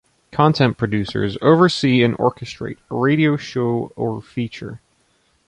Content producers oversee and orchestrate a radio show or feature.